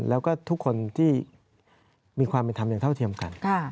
แล้วก็ทุกคนที่มีความเป็นธรรมอย่างเท่าเทียมกัน